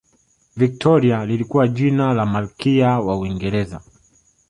victoria lilikuwa jina la malikia wa uingereza